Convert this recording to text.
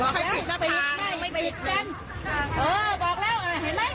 เห็นไหมปกติเดี๋ยวเขาโดนกระโกะปลอดภัณฑ์